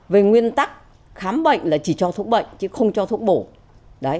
về nguyên tắc khám bệnh là chỉ cho thuốc bệnh chứ không cho thuốc bổ